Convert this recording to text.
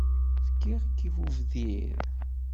fkiɣ-k i bubdir.